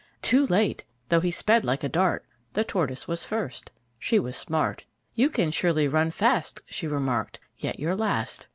Too late! Though he sped like a dart, The Tortoise was first. She was smart: "You can surely run fast," She remarked. "Yet you're last.